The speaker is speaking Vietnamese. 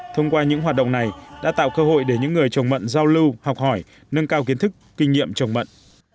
thông qua những hoạt động này đã tạo cơ hội để những người trồng mận giao lưu học hỏi nâng cao kiến thức kinh nghiệm trồng mận